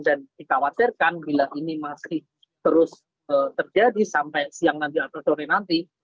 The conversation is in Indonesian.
dan dikhawatirkan bila ini masih terus terjadi sampai siang atau sore nanti